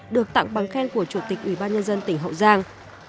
được tặng bằng khen của chủ tịch ủy ban nhân dân tỉnh hậu giang